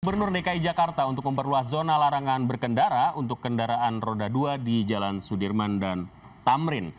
gubernur dki jakarta untuk memperluas zona larangan berkendara untuk kendaraan roda dua di jalan sudirman dan tamrin